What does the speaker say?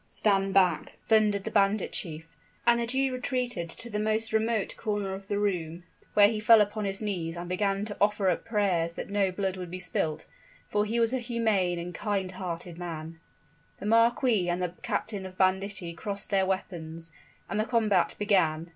"Stand back!" thundered the bandit chief; and the Jew retreated to the most remote corner of the room, where he fell upon his knees and began to offer up prayers that no blood would be spilt for he was a humane and kind hearted man. The marquis and the captain of banditti crossed their weapons; and the combat began.